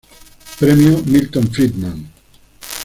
Premio Milton Friedman.